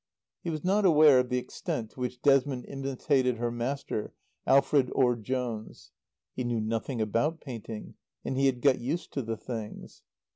He was not aware of the extent to which Desmond imitated her master, Alfred Orde Jones. He knew nothing about painting and he had got used to the things.